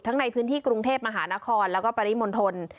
ในพื้นที่กรุงเทพมหานครแล้วก็ปริมณฑล